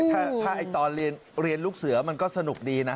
ถ้าตอนเรียนลูกเสือมันก็สนุกดีนะ